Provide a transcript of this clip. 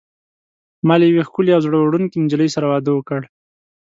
ما له یوې ښکلي او زړه وړونکي نجلۍ سره واده وکړ.